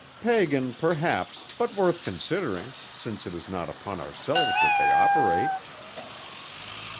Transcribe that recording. "Pagan perhaps, but worth considering, since it is not upon ourselves that they operate."